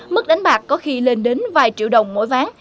mức đánh bạc có khi lên đến vài triệu đồng mỗi ván